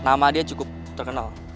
nama dia cukup terkenal